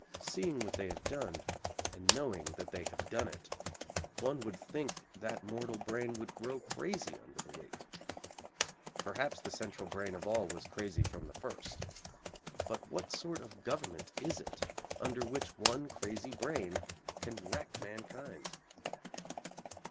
Seeing what they have done, and knowing that they have done it, one would think that mortal brain would grow crazy under the weight. Perhaps the central brain of all was crazy from the first. But what sort of government is it under which one crazy brain can wreck mankind!